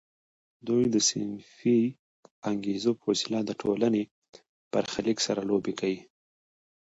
دوی د صنفي انګیزو په وسیله د ټولنې برخلیک سره لوبې کوي